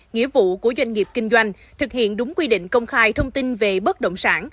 nghĩa vụ của doanh nghiệp kinh doanh thực hiện đúng quy định công khai thông tin về bất động sản